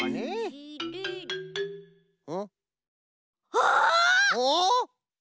あっ！